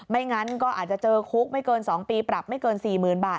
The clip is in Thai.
งั้นก็อาจจะเจอคุกไม่เกิน๒ปีปรับไม่เกิน๔๐๐๐บาท